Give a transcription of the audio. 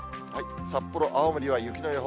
札幌、青森は雪の予報。